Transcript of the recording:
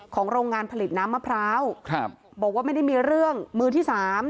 โรงงานผลิตน้ำมะพร้าวบอกว่าไม่ได้มีเรื่องมือที่สาม